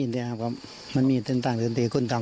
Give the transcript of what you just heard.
เยอะไหมไม่มีแหละครับไม่มีแหละ